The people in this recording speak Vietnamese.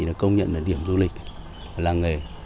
để công nhận là điểm du lịch làng nghề